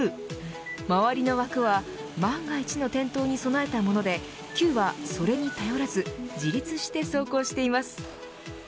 周りの枠は万が一の転倒に備えたものでＣＵＥはそれに頼らず自立して走行しています。